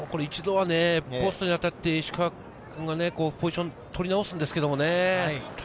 １度はポストに当たって石川君がポジションを取り直すんですけどね。